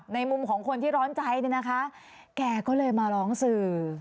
ในมุมของคนที่ร้อนใจเนี่ยนะคะแกก็เลยมาร้องสื่อ